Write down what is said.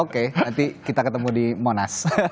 berarti kita ketemu di monash